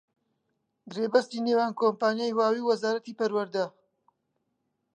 گرێبەستی نێوان کۆمپانیای هواوی و وەزارەتی پەروەردە